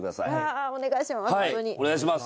お願いします